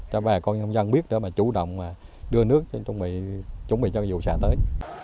cho bà con dân biết để chủ động đưa nước chuẩn bị cho vụ xả tới